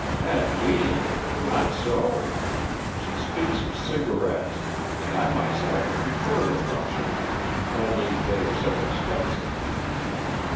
"At me? Not so; she speaks of cigarettes, and I myself prefer the Russian, only they are so expensive."